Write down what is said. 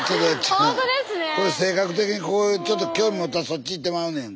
性格的にちょっと興味持ったらそっち行ってまうねん。